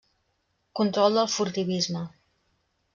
Control del furtivisme.